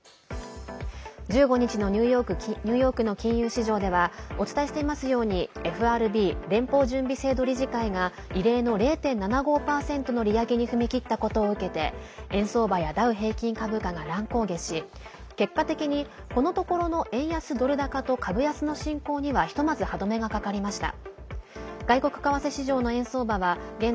１５日のニューヨークの金融市場ではお伝えしていますようにＦＲＢ＝連邦準備制度理事会が異例の０．７５％の利上げに踏み切ったことを受けて円相場やダウ平均株価が乱高下し結果的に、このところの円安ドル高と株安の進行にはひとまず歯止めがかかりました。